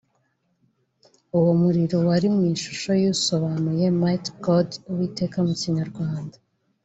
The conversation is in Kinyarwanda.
uwo muriro wari mu ishusho ya U isobanuye Might God (Uwiteka) mu kinyarwanda